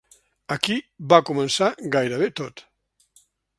Aquí va començar gairebé tot.